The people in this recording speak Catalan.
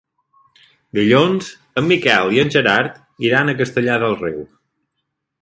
Dilluns en Miquel i en Gerard iran a Castellar del Riu.